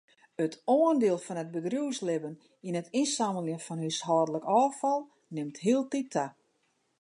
It oandiel fan it bedriuwslibben yn it ynsammeljen fan húshâldlik ôffal nimt hieltyd ta.